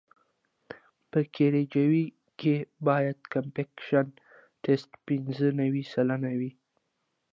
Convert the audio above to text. په کیریج وې کې باید کمپکشن ټسټ پینځه نوي سلنه وي